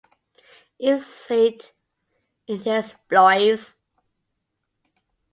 Its seat is in Blois.